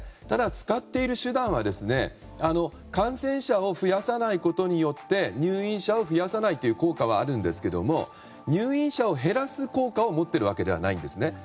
ただ、使っている手段は感染者を増やさないことによって入院者を増やさないという効果はあるんですけど入院者を減らす効果を持ってるわけではないんですね。